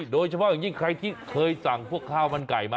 โดยเฉพาะอย่างยิ่งใครที่เคยสั่งพวกข้าวมันไก่มา